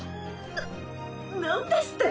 ななんですって